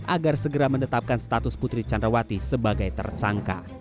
agar segera menetapkan status putri candrawati sebagai tersangka